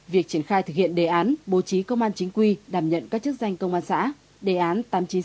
việc triển khai thực hiện đề án bố trí công an chính quy đảm nhận các chức danh công an xã đề án tám trăm chín mươi sáu